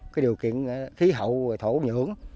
cái điều kiện khí hậu và thổ nhưỡng